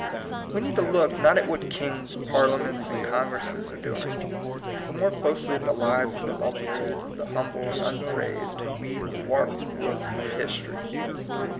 We need to look, not at what kings, parliaments, and congresses are do ing, but more closely at the lives of the multitudes of the humble and unpraised who weave the warp and woof of history.